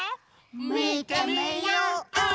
みてみよう！